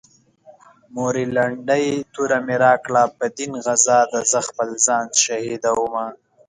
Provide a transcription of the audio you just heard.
مورې لنډۍ توره مې راکړه په دين غزا ده زه خپل ځان شهيدومه